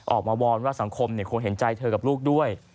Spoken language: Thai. วอนว่าสังคมคงเห็นใจเธอกับลูกด้วย